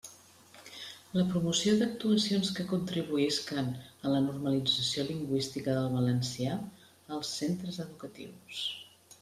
La promoció d'actuacions que contribuïsquen a la normalització lingüística del valencià als centres educatius.